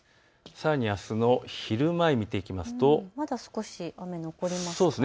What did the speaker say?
さらにあすの昼前を見ていくとまだ少し雨、残りますね。